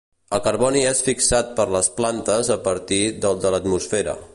El carboni és fixat per les plantes a partir del de l'atmosfera.